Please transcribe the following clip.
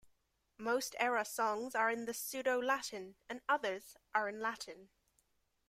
Most Era songs are in Pseudo-Latin and others are in Latin.